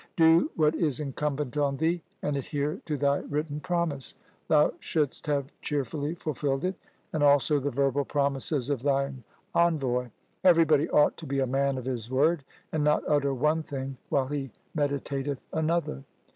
Do what is incumbent on thee, and adhere to thy written promise. Thou shouldst have cheerfully fulfilled it, and also the verbal promises of thine envoy. Everybody ought to be a man of his word, and not utter one thing while he meditateth another.